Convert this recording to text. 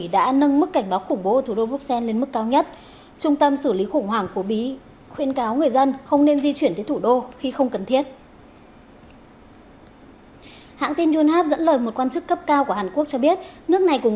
đây là nơi con người trở thành những cuốn sách sống